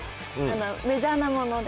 メジャーなもので。